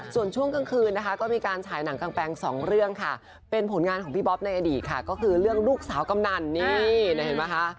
ส่วนช่วงกลางคืนนะคะก็มีการฉายหนังกางแปลงสองเรื่องค่ะเป็นผลงานของพี่บ๊อบในอดีตค่ะก็คือเรื่องลูกสาวกำนันนี่เห็นไหมคะ